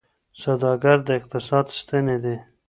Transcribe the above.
سوداګر د اقتصاد ستني دي.